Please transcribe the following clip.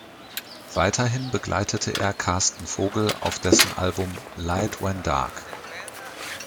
Weiterhin begleitete er Karsten Vogel auf dessen Album "Light when Dark".